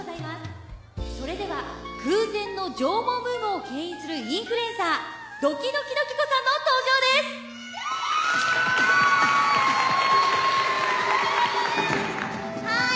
それでは空前の縄文ブームをけん引するインフルエンサードキドキ土器子さんの登場です！はい！